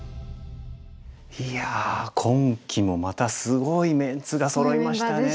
いや今期もまたすごいメンツがそろいましたね。